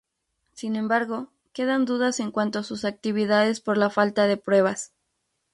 Sin embargo, quedan dudas en cuanto a sus actividades por la falta de pruebas.